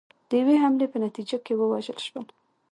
د یوې حملې په نتیجه کې ووژل شول